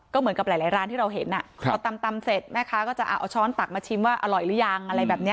ก็เหมือนกับหลายร้านที่เราเห็นพอตำเสร็จแม่ค้าก็จะเอาช้อนตักมาชิมว่าอร่อยหรือยังอะไรแบบนี้